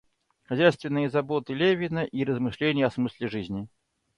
Хозяйственные заботы Левина и размышления о смысле жизни.